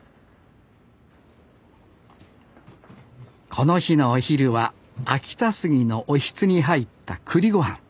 この日のお昼は秋田杉のおひつに入った栗ごはん。